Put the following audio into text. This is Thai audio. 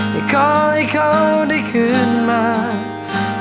ขอให้เขาได้คืนมา